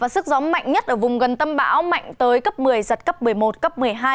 sức gió mạnh nhất ở vùng gần tâm bão mạnh tới cấp một mươi giật cấp một mươi một cấp một mươi hai